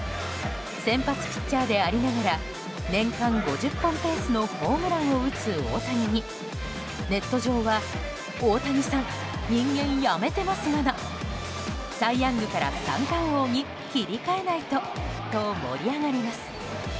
先発ピッチャーでありながら年間５０本ペースのホームランを打つ大谷にネット上は大谷さん、人間やめてますがなサイ・ヤングから三冠王に切り替えないとと盛り上がります。